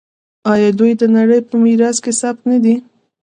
آیا دوی د نړۍ په میراث کې ثبت نه دي؟